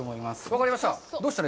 分かりました。